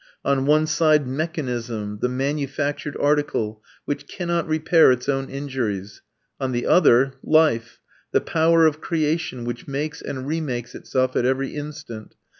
On one side, mechanism, the manufactured article which cannot repair its own injuries; on the other, life, the power of creation which makes and remakes itself at every instant.